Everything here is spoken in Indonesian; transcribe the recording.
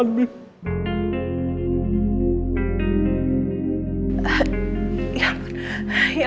mas rifqi kecelakaan mila